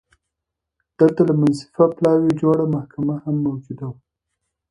دلته له منصفه پلاوي جوړه محکمه هم موجوده وه